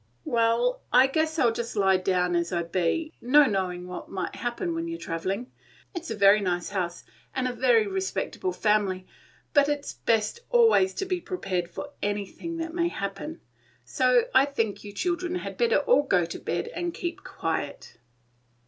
"Well, I guess I 'll just lie down as I be; no knowin' what may happen when you 're travelling. It 's a very nice house, and a very respectable family, but it 's best always to be prepared for anything that may happen. So I think you children had better all go to bed and keep quiet."